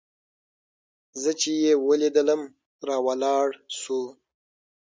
زه چې يې وليدلم راولاړ سو.